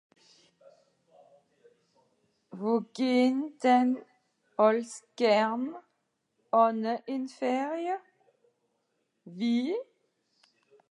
wò gehn den àls gern ànne ìn d'ferie wie